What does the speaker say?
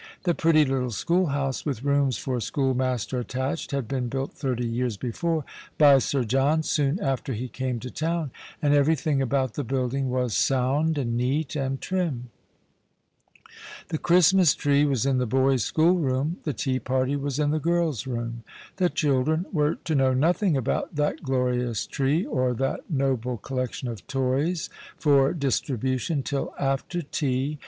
The pretty little schoolhouse, with rooms for schoolmaster attached, had been built thirty years before by Sir John, soon after he came to his own, and everything about the building was sound and neat and trim. The Christmas tree was in the boys' schoolroom, the tea party was in the girls' room. The children were to know nothing about that glorious tree, or that noble collection of tovs for distribution, till after tea.